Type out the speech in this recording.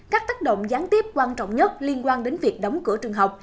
các tác động gián tiếp quan trọng nhất liên quan đến việc đóng cửa trường học